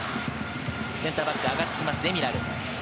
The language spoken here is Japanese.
センターバックが上がってきます、デミラル。